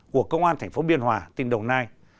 của công an thành phố biên hòa tỉnh đồng nai